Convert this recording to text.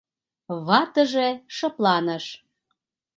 Ватыже шыпланыш.